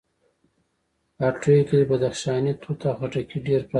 هټيو کې بدخشانی توت او خټکي ډېر پراته وو.